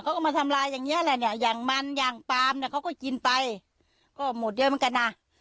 เขาก็มาทำลายอย่างเงี้ยแหละเนี่ยอย่างมันอย่างปามเนี่ยเขาก็กินไปก็หมดเยอะเหมือนกันนะ